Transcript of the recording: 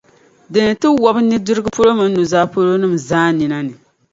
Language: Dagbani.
di ni ti wɔbi nudirigu polo mini nuzaa polo nim’ zaa nina ni.